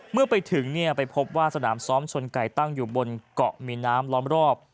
เมื่อไปถึงไปพบว่าสนามซ้อมชนไก่ตั้งอยู่บนเกาะมีน้ำล้อมรอบ